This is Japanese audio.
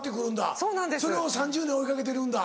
それを３０年追い掛けてるんだ。